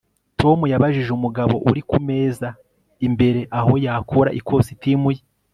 Tom yabajije umugabo uri kumeza imbere aho yakura ikositimu ye